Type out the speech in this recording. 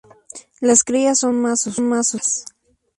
Las crías son más oscuras.